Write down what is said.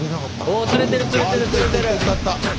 お釣れてる釣れてる釣れてる！